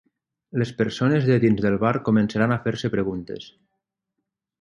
Les persones de dins del bar començaran a fer-se preguntes.